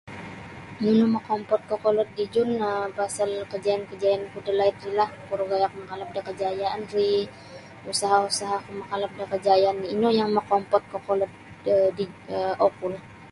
Nunu mokompod kokolod dijun um pasal kejayaan-kejayaan ko dalaid ri lah kuro gaya'ku nakalap da kejayaan ri usaha'-usaha'ku makalap da kejayaan ino yang mokompod kokolod do ji do um okulah.